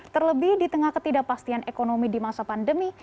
terlebih di tengah ketidakpastian ekonomi di masa pandemi